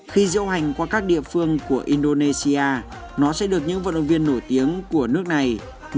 khi diễu hành qua các địa phương của indonesia nó sẽ được những vận động viên nổi tiếng của nước này